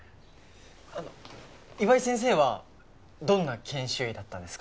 あの岩井先生はどんな研修医だったんですか？